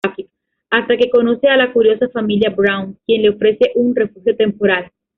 Hasta que conoce a la curiosa familia Brown, quien le ofrece un refugio temporal.